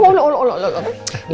ya allah allah allah